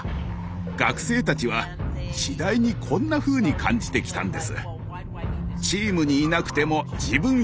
学生たちは次第にこんなふうに感じてきたんです。